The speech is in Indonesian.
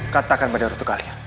katakan pada ratu kalian